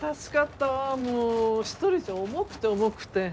もう一人じゃ重くて重くて。